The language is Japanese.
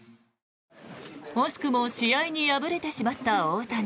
惜しくも試合に敗れてしまった大谷。